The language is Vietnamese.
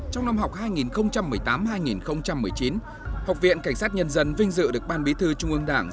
trong năm học hai nghìn một mươi tám hai nghìn một mươi chín học viện cảnh sát nhân dân vinh dự được ban bí thư trung ương đảng